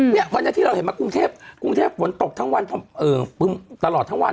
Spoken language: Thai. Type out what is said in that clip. เนี่ยวันนี้ที่เราเห็นมากรุงเทพกรุงเทพฝนตกทั้งวันตลอดทั้งวัน